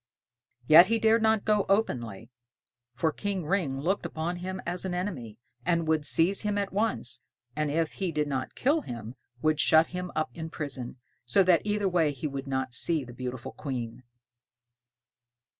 Yet he dared not go openly, for King Ring looked upon him as an enemy, and would seize him at once, and if he did not kill him would shut him up in prison, so that either way he would not see the beautiful Queen.